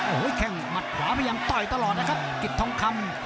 โอ้โหแข้งหมัดขวาพยายามต่อยตลอดนะครับกิจทองคำ